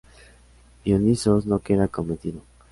Dionisos no queda convencido.